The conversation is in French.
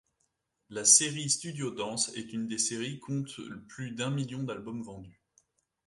La série Studio Danse est une des séries compte plus d'un million d'albums vendus.